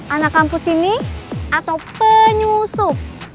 anak kampus ini atau penyusup